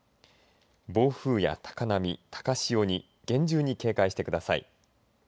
暴風や高波高潮に厳重に警戒してください。